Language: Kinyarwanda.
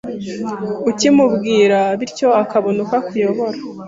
ukimubwira bityo akabona uko akuyobora.